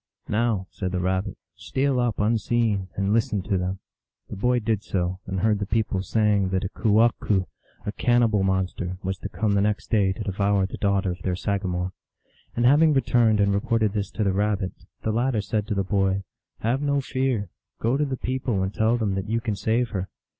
" Now," said the Rabbit, " steal up unseen, and listen to them !" The boy did so, and heard the people saying that a kewahqu\ a cannibal monster, was to come the next day to devour the daughter of their sagamore. And having returned and reported this to the Rabbit, the latter said to the boy, " Have no fear ; go to the people and tell them that you can save her."